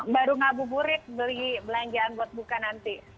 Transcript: baru ngabuburit beli belanjaan buat buka nanti